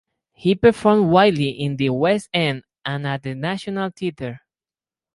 He performed widely in the West End and at the National Theatre.